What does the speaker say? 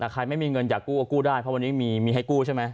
แต่ใครไม่มีเงินอยากกู้ก็กู้ได้เพราะวันนี้มีให้กู้ใช่ไหม